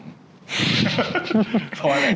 เพราะอะไร